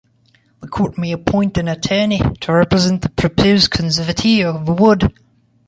The court may appoint an attorney to represent the proposed conservatee or ward.